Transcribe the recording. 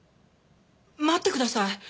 待ってください。